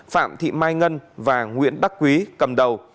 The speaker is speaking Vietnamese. phạm thị mai ngân và nguyễn bắc quý cầm đầu